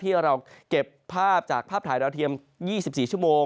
ที่เก็บภาพจากภาพถาของท่าเทียม๒๔ชั่วโมง